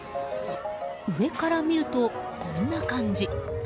上から見ると、こんな感じ。